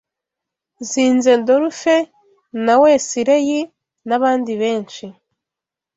Zinzendorufe na Wesileyi n’abandi benshi